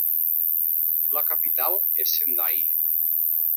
La capital és Sendai.